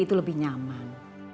itu lebih nyaman